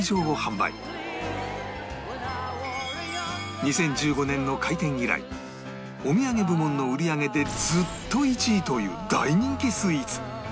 ２０１５年の開店以来お土産部門の売り上げでずっと１位という大人気スイーツ